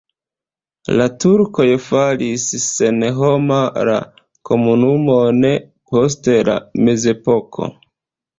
La turkoj faris senhoma la komunumon post la mezepoko.